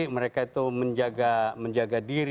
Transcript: mereka itu menjaga diri